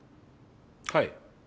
はい。